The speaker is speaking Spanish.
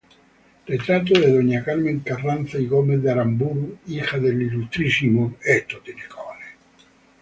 Retrato de Doña Carmen Carranza y Gómez de Aramburu, hija del Ilmo.